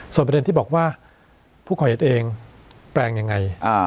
ส่วนประเด็นที่บอกว่าผู้ก่อเหตุเองแปลงยังไง